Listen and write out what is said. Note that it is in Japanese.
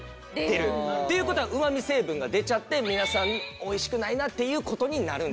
という事はうまみ成分が出ちゃって皆さんおいしくないなっていう事になるんですよ。